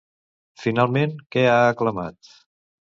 Finalment, què ha aclamat?